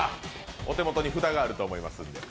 お手元に札があると思いますので。